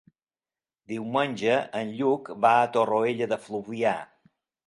Diumenge en Lluc va a Torroella de Fluvià.